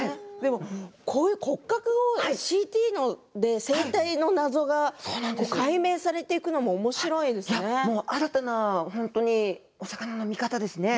骨格をＣＴで生態の謎が解明されていくのも新たなお魚の見方ですね。